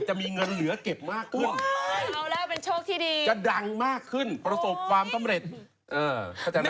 จะมีเงินเหลือเก็บมากขึ้นจะดังมากขึ้นประสบความสำเร็จ